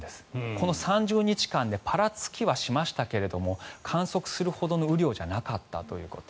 この３０日間でぱらつきはしましたが観測するほどの雨量じゃなかったということ。